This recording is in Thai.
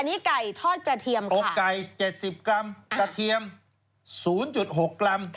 อันนี้ไก่ทอดกระเทียมอกไก่๗๐กรัมกระเทียม๐๖กรัม